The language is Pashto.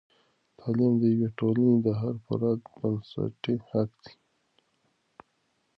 تعلیم د یوې ټولنې د هر فرد بنسټي حق دی.